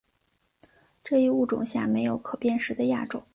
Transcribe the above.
这一物种下没有可辨识的亚种。